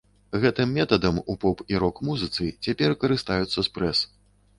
Гэтым метадам у поп- і рок-музыцы цяпер карыстаюцца спрэс.